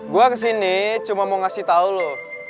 gue kesini cuma mau ngasih tau loh